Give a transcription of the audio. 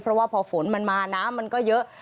เพราะว่าพอฝนมันมาน้ำมันก็เยอะ